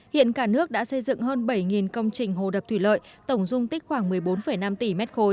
hiện cả nước đã xây dựng hơn bảy công trình hồ đập thủy lợi tổng dung tích khoảng một mươi bốn năm tỷ m ba